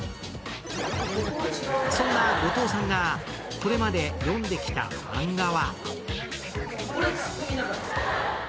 そんな後藤さんが、これまで読んできたマンガは？